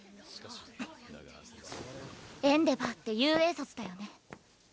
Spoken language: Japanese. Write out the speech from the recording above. エンデヴァーって雄英卒だよね。